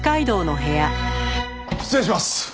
失礼します！